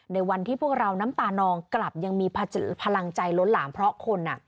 ในวันที่พวกเราน้ำตานองกลับยังมีพลังใจล้นหลามเพราะคน